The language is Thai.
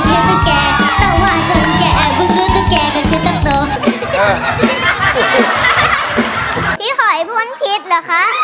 สุสุซ่าซ่ายกกำลังซ่าออกมาสุสุ